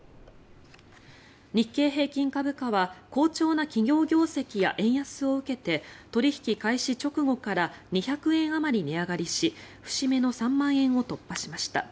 日経平均株価は好調な企業業績や円安を受けて取引開始直後から２００円あまり値上がりし節目の３万円を突破しました。